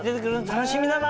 楽しみだな。